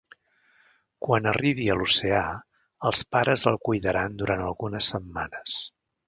Quan arribi a l'oceà, els pares el cuidaran durant algunes setmanes.